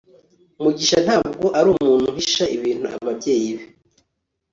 mugisha ntabwo ari umuntu uhisha ibintu ababyeyi be